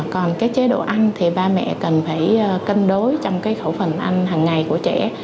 còn chế độ ăn thì ba mẹ cần phải cân đối trong khẩu phần ăn hằng ngày của trẻ